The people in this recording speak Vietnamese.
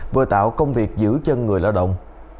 vừa tạo công việc giữ chân người lao động